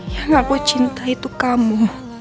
yang aku cinta itu kamu